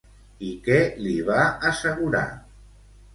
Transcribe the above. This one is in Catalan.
I què li va assegurar?